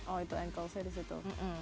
oh itu anklesnya di situ